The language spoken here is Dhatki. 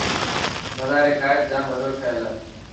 مزار قائد جام وڏو ٺهيل هي.